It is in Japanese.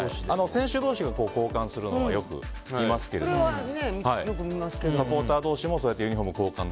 選手同士が交換するのはよく見ますけどサポーター同士もユニホーム交換を。